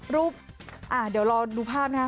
เดี๋ยวรอดูภาพนะคะ